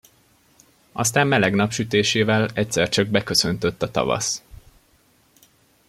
Aztán meleg napsütésével egyszer csak beköszöntött a tavasz.